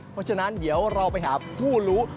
เพราะฉะนั้นเดี๋ยวเราไปหาผู้รู้